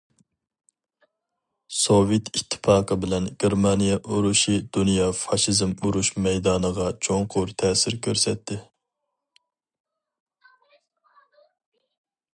سوۋېت ئىتتىپاقى بىلەن گېرمانىيە ئۇرۇشى دۇنيا فاشىزم ئۇرۇش مەيدانىغا چوڭقۇر تەسىر كۆرسەتتى.